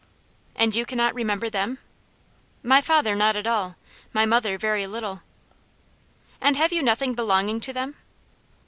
"And you cannot remember them?" "My father not at all; my mother very little." "And have you nothing belonging to them?"